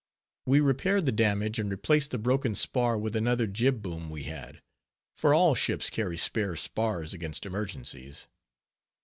We repaired the damage, and replaced the broken spar with another jib boom we had; for all ships carry spare spars against emergencies.